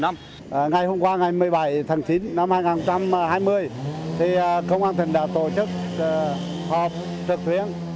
ngày hôm qua ngày một mươi bảy tháng chín năm hai nghìn hai mươi công an thủy thuyên huế đã tổ chức họp trực tuyến